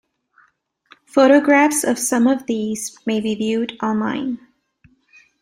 Photographs of some of these may be viewed online.